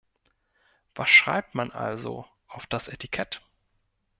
Was schreibt man also auf das Etikett?